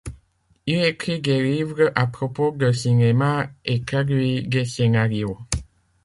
Il écrit des livres à propos de cinéma et traduit des scénarios.